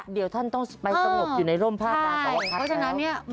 เดี๋ยวท่านต้องไปสงบอยู่ในร่มภาพกาสาวพัฒน์แล้ว